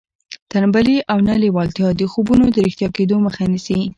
تنبلي او نه لېوالتیا د خوبونو د رښتیا کېدو مخه نیسي